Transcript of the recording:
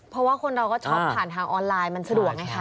เพราะว่าคนเราก็ชอบผ่านทางออนไลน์มันสะดวกไงคะ